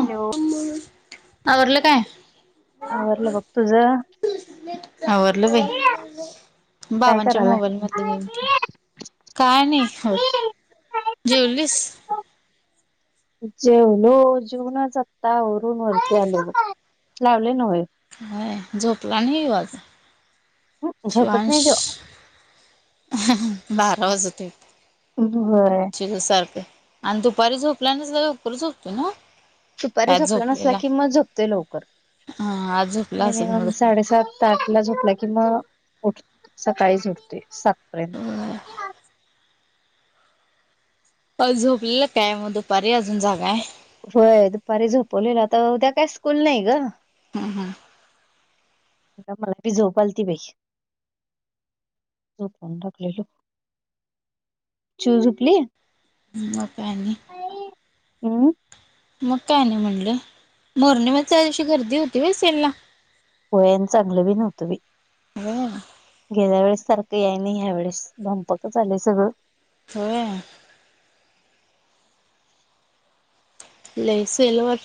Hello. आवरल काय? आवरलं बघ तुझं? आवरलं बाई काय बाबांच्या करायलाय? मोबाईल मधले गेम खेळ. काय नाही हो जेवलीस? जेवलो जेवनूच आत्ता वरून वरती आले लावले न होय. झोपला नाही आज झोपत शिवांश? नाही त्यो. हाहा बारा वाजते. होय. सारखं आणि दुपारी झोपल्या ना लवकर झोपतो ना? दुपारी आज झोपला नसला झोपलेला की मग झोपतोय लवकर हा आज झोपला असेल मग मिनमम दुपारी साडे सात आठ ला झोपला कि म उठ सकाळी झोपते सातपर्यंत ताई झोपलेला काय मग दुपारी अजून जागाय. होय दुपारी झोपवलेलं आता उद्या काय स्कूल नाही ग. हम्म हम्म. मला बी झोप आलती बाई. चिऊ झोपली? मग काय आणि हम्म. मग काय नाही म्हणले मोरणी मशी गर्दी होती व्हय सेला. होय अन चांगलं बी नव्हतं बाई. होय गेल्या वेळेस सारखं या नाही घ्यावेेळेस धंपकच आलेय सगळं. होय. ले सेलवर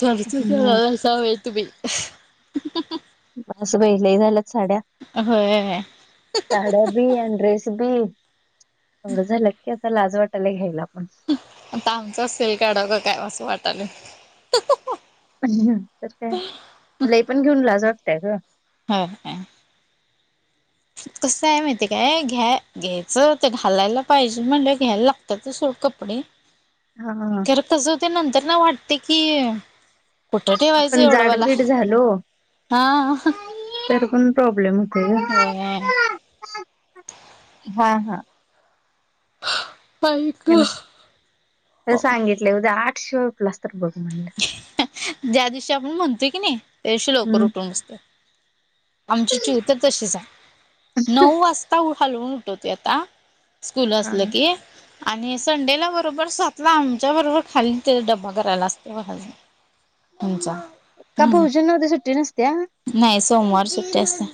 खर्च केला हम्म. आज त्या वेळती बाई. अस बाई लई झाल्यात साड्या होय साड्या बी अण ड्रेस बी एवढं झाल्यात की आता लाज वाटालय घ्यायला पण आता आमचंच सेल काढ ग काय असं वाटालय. प तर काय लई पण घेऊन लाज वाटतय ग. होय काय. कसं आहे माहितीय काय घ्याय घ्यायचं ते घालायला पाहिजे म्हणलं घ्यायला लागतात तस ओ कपडे. [inaudible] हा हा. तसं ते नंतर ना वाटते की कुठं ठेवायचं आपण एवढं मला जाडबीड झालो हा. तर पण प्रॉब्लेमेच होते होय. ग हा हा. हा [inaudible] त्या ला त्याला सांगितले उद्या आठ शिवाय उठलास तर बघ म्हणल. ज्या दिवशी आपण म्हणतोय की नाही त्या दिवशी लवकर हम्म उठून बसतात. आमची चिऊतर तशीच आहे नऊ वास आता हलवून हलवून उठवते आता स्कूल हा असलं की आणि संडेला बरोबर सातला आमच्या बरोबर खाली ते डब्बा करायला असत. [unintelligible] का भाऊजींना उद्या सुट्टी नसत्या. नाही सोमवार सुट्टी असते.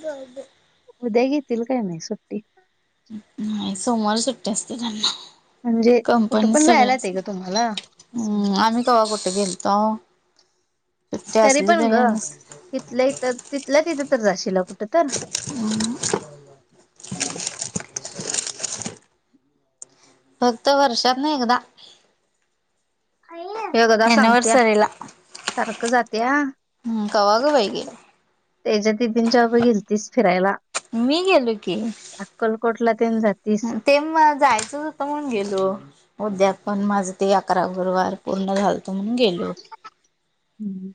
उद्या घेतील काय माहीत सुट्टी नाही सोमवार सुट्टी असते त्यांना म्हणजे कुठं कंपनी पण जायला सगळ्यास येतय ग तुम्हाला असं हम्म म्हणायचं आम्ही कव्हा कुठे गेलतो. सुट्टी तरी असली पण ग नस इथलं इथ तिथल्या तिथं तर जाशील कुठं तर [unintelligible] फक्त वर्षातन एकदा. हे बघा सांगत्या. एनिव्हर्सरीला सारख जात्या. हम्म कवा ग बाई गेले. त्याच्यात बी तीन-चार बघितलीस फिरायला मी गेलो की. अक्कलकोटला तेन जातीस ते मला जायचच म्हणून गेलो. उद्यापण माझं ते अकरा गुरुवार पूर्ण झालतो म्हणून गेलो. हम्म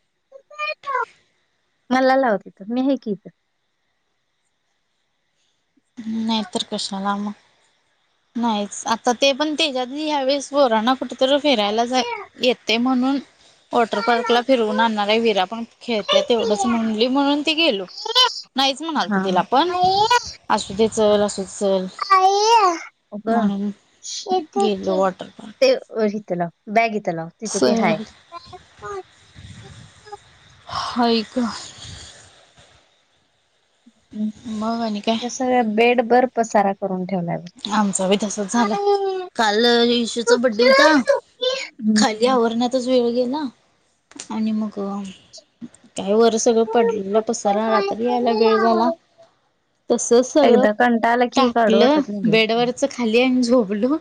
मला लाव तिथ. मी आहे की इथ. नाहीेतर कशाला मग नाहीच आता ते पण त्याच्यात यावेेळेस पोरांना कुठंतरी फिरायला जा येते म्हणून वॉटर पार्कला फिरवून आणणार आहे‌. विरा पण खेळत्यात तेवढंच म्हणली म्हणून ती गेलो. नाहीच हा म्हणालतो तिला पण. असू दे चल. असू दे चल. म्हणून गेलो वॉटर ते इथ लाव. बॅग इथ लाव. तिथं ते हाय सॉरी आई ग मग आणि काय? हम्म सगळ बेड भर पसारा करून ठेवलाय. बघ. आमचा बी तसच झालाय. काल येशूचा बड्डे होता. हम्म. खाली ते आवरण्यातच वेळ गेला. आणि मग काय वरच सगळं पडलेल पसरा. रात्री यायला वेळ झाला. तस सगळ एकदा कंटाळला की काढू टाकल. वाटत नाही बाई. वरच खाली आणि झोपलो.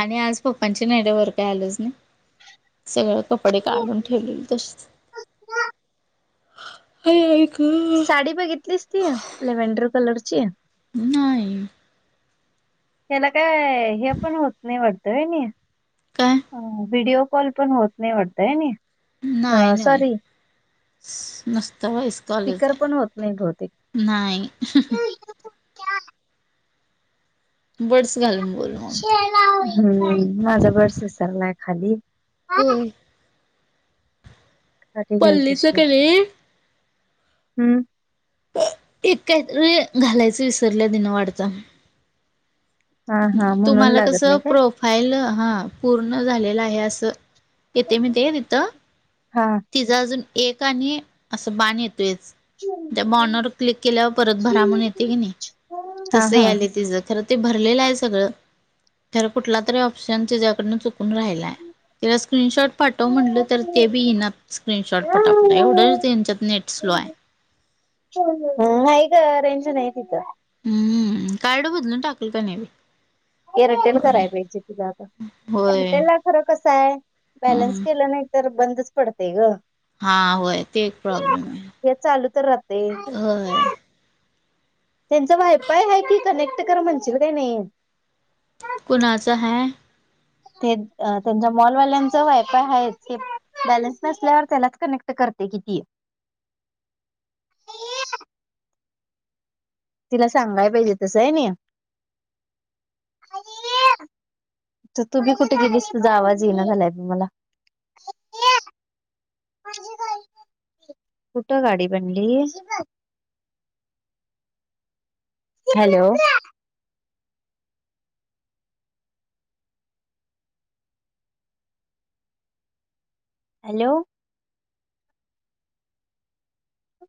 आणि आज पप्पांची नाईट वर काय आलोच नाही. सगळे कपडे काढून ठेवलेले तशेच आई आई ग साडी बघितलीस ती लेवेंडर कलरची. नाही. त्याला काय हे पण होत नाही वाटतय हेनी काय व्हिडीओ कॉल पण होत नाही वाटतय. हे नी नाही ना नुसत व्हॉइस कॉलच स्पीकर आहे. पण होत नाही बहुतेक. नाही [unintelligible] बर्ड्स घालून बोला. हम्म माझा बर्ड्स विसरलाय खाली. [unintelligible] घीयल पल्लीचं कशी आहे. कणी हम्म एक काहीतरी घालायच विसरल्या तिन वाटत. हा हा म्हणून तुम्हाला कस लागत नाही प्रोफ फाईल हा पूर्ण झालेला आहे. अस येते काय? म्हणते का तिथ हा तिचा अजून एक आणि अस बाण येतोयच. त्या बाणावर क्लिक केल्यावर परत भरा म्हणून येते की नाही. हा तस हा यायल तिच. खर ते भरलेलं आहे सगळ. खर कुठला तरी ऑप्शन तिच्यायाकडून चुक चुकून राहिलाय. तिला स्क्रीनशॉट पाठव म्हटलं तर ते बी येईना स्क्रीनशॉट पटापट. एवढं त्यांच्यात नेट स्लो आहे. नाही ग रेंज नाही तिथ. हम्म कार्ड बदलून टाकल त्यांनी बी. एअरटेल कराय पाहिजे तुला आता. होय एअरटेलला खर कस आहे. बॅलन्स हम्म केलं नाही तर बंदच पडते ग. हा होय ते एक प्रॉब्लेम आहे. हे चालू तर राहते होय. त्यांच वायफाय आहे की कनेक्ट कर म्हणशील काही नाही. कुणाचा आहे. ते त्यांच्या मॉलवाल्यांच वायफाय आहेच. बॅलन्स नसल्यावर त्याला कनेक्ट करते कि ती तिला सांगाया पाहिजे तसं आहे नी [inaudible] तर तु बी कुठे गेली तुझा आवाज येईणा झालाय मला [inaudible] कुठ गाडी बनली हॅलो हॅलो